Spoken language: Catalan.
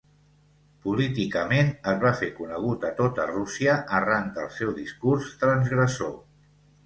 Políticament, es va fer conegut a tota Rússia arran del seu discurs transgressor.